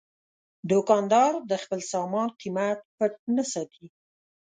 دوکاندار د خپل سامان قیمت پټ نه ساتي.